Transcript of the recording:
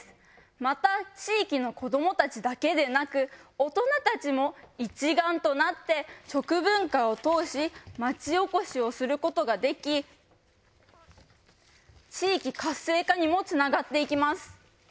また地域の子どもたちだけでなく大人たちも一丸となって食文化を通し町おこしをすることができ地域活性化にもつながっていきます。